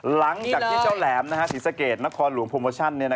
หลังจากที่เจ้าแหลมศรีสะเกดนครหลวงโปรโมชั่น